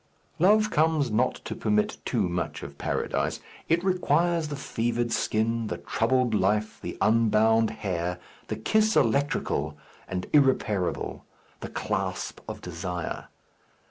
Love comes not to permit too much of paradise. It requires the fevered skin, the troubled life, the unbound hair, the kiss electrical and irreparable, the clasp of desire.